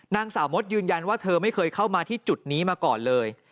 นางสาวมดยืนยันว่าเธอไม่เคยเข้ามาที่จุดนี้มาก่อนเลย